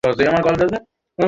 আমি তাদের দেখে নিবো।